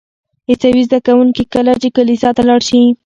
عیسوي زده کوونکي کله چې کلیسا ته لاړ شي.